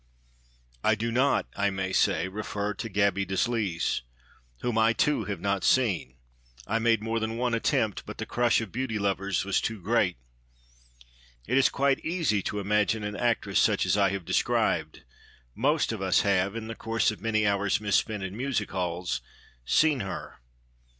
(I do not, I may say, refer to Gaby Deslys, whom I, too, have not seen. I made more than one attempt, but the crush of beauty lovers was too great.) It is quite easy to imagine an actress such as I have described: most of us have, in the course of many hours misspent in music halls, seen her.